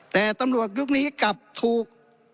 แต่ตำรวจยุคนี้กลับถูก